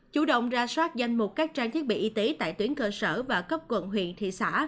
chủ động ra soát danh mục các trang thiết bị y tế tại tuyến cơ sở và cấp quận huyện thị xã